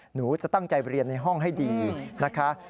หนูจะตั้งใจเรียนในห้องให้ดีนะคะ